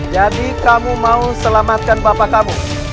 jadi kamu mau selamatkan bapak kamu